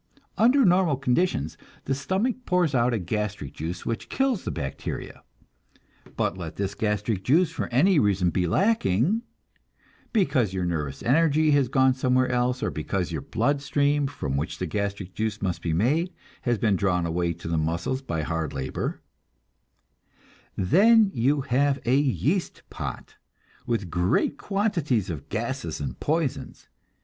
Under normal conditions, the stomach pours out a gastric juice which kills the bacteria; but let this gastric juice for any reason be lacking because your nervous energy has gone somewhere else, or because your blood stream, from which the gastric juice must be made, has been drawn away to the muscles by hard labor; then you have a yeast pot, with great quantities of gases and poisons.